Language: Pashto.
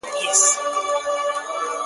د بېدیا اغزیو راوړم ستا د سیند تر غاړي تږی -